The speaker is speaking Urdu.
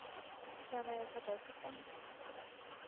کیا میں ایسا کر سکتا ہوں؟